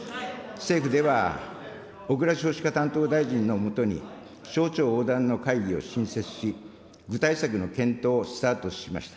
政府では、小倉少子化担当大臣の下に省庁横断の会議を新設し、具体策の検討をスタートしました。